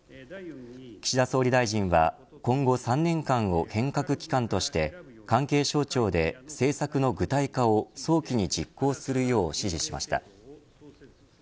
岸田総理大臣は今後３年間を変革期間として関係省庁で政策の具体化を早期に実行するよう指示しました。